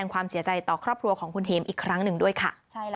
ความเสียใจต่อครอบครัวของคุณเทมอีกครั้งหนึ่งด้วยค่ะ